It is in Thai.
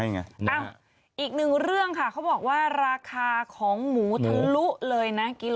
อีกหนึ่งเรื่องค่ะเขาบอกว่าราคาของหมูทะลุเลยนะ